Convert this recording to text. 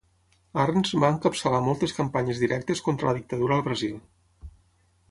Arns va encapçalar moltes campanyes directes contra la dictadura al Brasil.